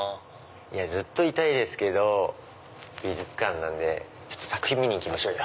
ずっといたいですけど美術館なんで作品見に行きましょうよ。